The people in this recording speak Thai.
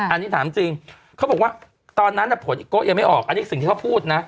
อันนี้ถามจริงเขาบอกว่าตอนนั้นผลอีกโกะยังไม่ออกอันนี้สิ่งที่เขาพูดนะ